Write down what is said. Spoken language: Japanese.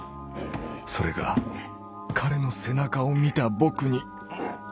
それが彼の「背中」を見た僕にッ。